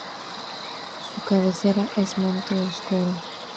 Su cabecera es Monte Oscuro.